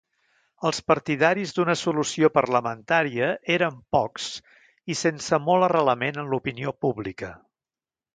Els partidaris d'una solució parlamentària eren pocs i sense molt arrelament en l'opinió pública.